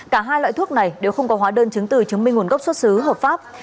cả hai loại thuốc này đều không có hóa đơn chứng từ chứng minh nguồn gốc xuất xứ hợp pháp